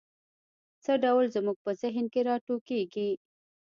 څه ډول زموږ په ذهن کې را ټوکېږي؟